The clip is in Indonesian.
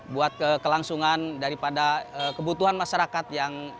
buat kelangsungan daripada kebutuhan masyarakat yang